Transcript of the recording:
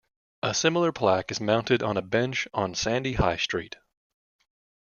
A similar plaque is mounted on a bench on Sandy High Street.